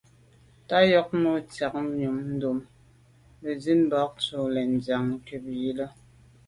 Tà yag num ntsiag yub ntùm metsit ba’ ze bo lo’ a ndian nkut yi là.